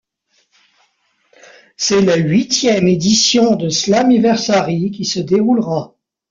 C'est la huitième édition de Slammiversary qui se déroulera.